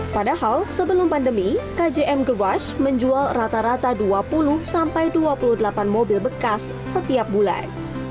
padahal sebelum pandemi kjm gervash menjual rata rata dua puluh sampai dua puluh delapan mobil bekas setiap bulan